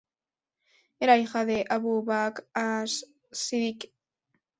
Era hija de Abu Bakr as-Siddiq.